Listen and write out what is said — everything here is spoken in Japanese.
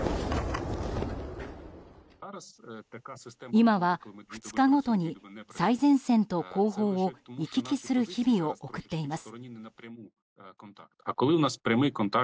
今は２日ごとに最前線と後方を行き来する日々を送っています。